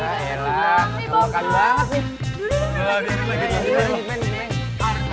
ayolah makan banget nih